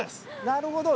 なるほど。